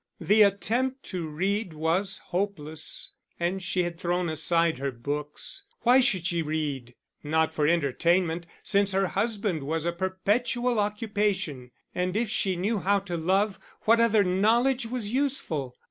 The attempt to read was hopeless, and she had thrown aside her books. Why should she read? Not for entertainment, since her husband was a perpetual occupation; and if she knew how to love, what other knowledge was useful?